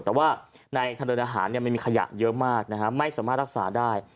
แต่ว่าในทางเดินอาหารมันมีขยะเยอะมากไม่สามารถรักษาได้